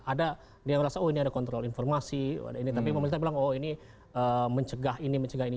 ada dia merasa oh ini ada kontrol informasi ini tapi pemerintah bilang oh ini mencegah ini mencegah ini